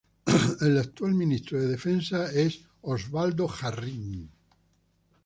El actual Ministro de defensa es Oswaldo Jarrín.